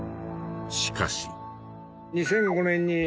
しかし。